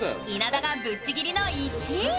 稲田がぶっちぎりの１位。